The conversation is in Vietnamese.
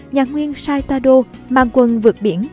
nhà nguyên sai toa đô mang quân vượt biển